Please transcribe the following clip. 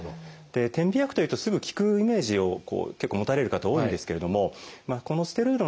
点鼻薬というとすぐ効くイメージを結構持たれる方多いんですけれどもこのステロイドの点鼻薬はですね